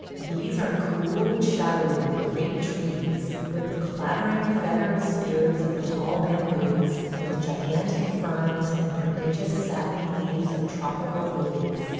These are cool and shadowy with great trees, with the clattering feathered spears of the tall bamboos, with gigantic ferns, and prodigious satiny leaves of tropical lilies.